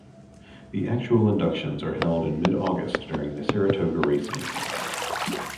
The actual inductions are held in mid-August during the Saratoga race meeting.